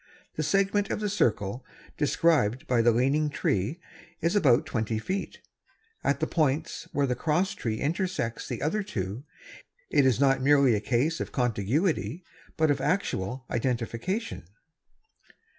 The segment of the circle described by the leaning tree is about twenty feet. At the points where the cross tree intersects the other two, it is not merely a case of contiguity, but of actual identification.